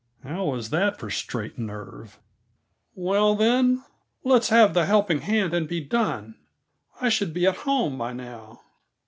How was that for straight nerve? "Well, then, let's have the helping hand and be done. I should be at home, by now.